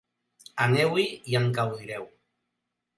Aneu-hi i en gaudireu.